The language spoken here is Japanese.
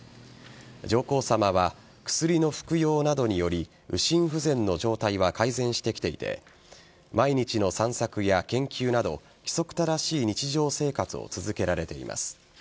上皇さまは薬の服用などにより右心不全の状態は改善してきていて毎日の散策や研究など規則正しい日常生活を続けられています。